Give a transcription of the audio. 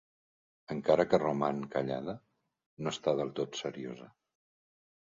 Encara que roman callada, no està del tot seriosa.